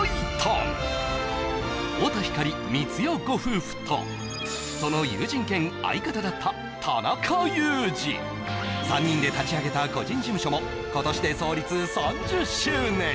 太田光・光代ご夫婦とその友人兼相方だった田中裕二３人で立ち上げた個人事務所も今年で創立３０周年！